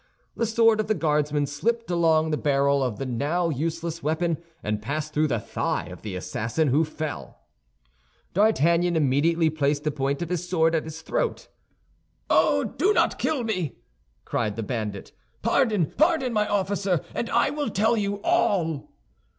The sword of the Guardsman slipped along the barrel of the now useless weapon, and passed through the thigh of the assassin, who fell. D'Artagnan immediately placed the point of his sword at his throat. "Oh, do not kill me!" cried the bandit. "Pardon, pardon, my officer, and I will tell you all."